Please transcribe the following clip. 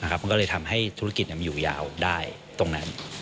มันก็เลยทำให้ธุรกิจมันอยู่ยาวได้ตรงนั้น